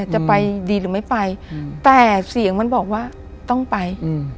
จะไปดีหรือไม่ไปแต่เสียงมันบอกว่าต้องไป